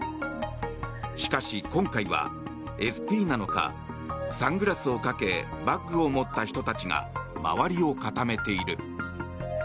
しかし、今回はＳＰなのかサングラスをかけバッグを持った人たちが周りを固めている。